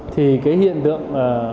thì cái hiện tượng